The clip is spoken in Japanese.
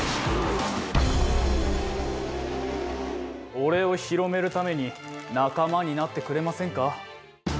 俺を広めるために仲間になってくれませんか？